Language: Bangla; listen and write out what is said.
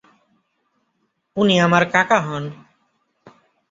উনি আমার কাকা হন।